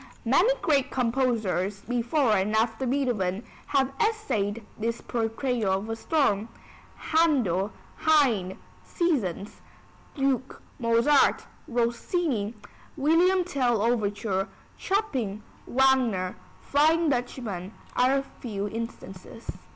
Many great composers before and after Beethoven have essayed this portrayal of a storm, Händel, Haydn (Seasons), Glück, Mozart, Rossini (William Tell overture), Chopin, Wagner (Flying Dutchman), are a few instances.